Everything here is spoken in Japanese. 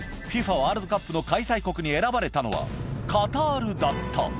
ワールドカップの開催国に選ばれたのは、カタールだった。